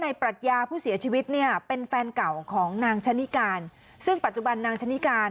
นายปรัชญาศรีเป็นแฟนเก่าของนางชะนิการซึ่งปัจจุบันนางชะนิการ